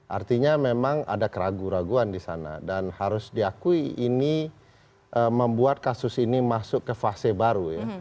artinya memang ada keraguan keraguan di sana dan harus diakui ini membuat kasus ini masuk ke fase baru ya